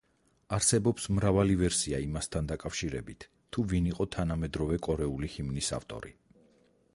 არსებობს მრავალი ვერსია იმასთან დაკავშირებით თუ ვინ იყო თანამედროვე კორეული ჰიმნის ავტორი.